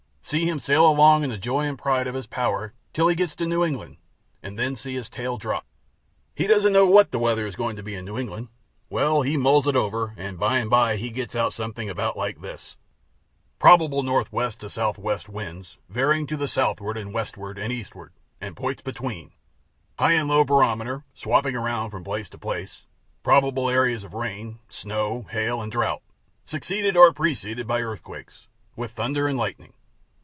See him sail along in the joy and pride of his power till he gets to New England, and then see his tail drop. He doesn't know what the weather is going to be in New England. Well, he mulls over it, and by and by he gets out something about like this: Probable northeast to southwest winds, varying to the southward and westward and eastward, and points between, high and low barometer swapping around from place to place; probable areas of rain, snow, hail, and drought, succeeded or preceded by earthquakes, with thunder and lightning.